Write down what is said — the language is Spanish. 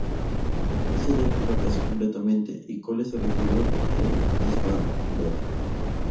Este ataque fracasó completamente y Cole se retiró en desbandada.